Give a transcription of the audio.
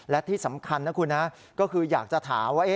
และที่สำคัญนะคุณนะก็คืออยากจะถามว่า